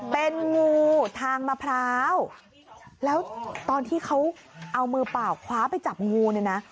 เป็นงูทางมะพร้าวแล้วตอนที่เขาเอามือเปล่าคว้าไปจับงูเนี่ยนะ